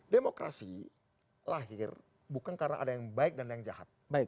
demokrasi lahir bukan karena ada yang baik dan ada yang jahat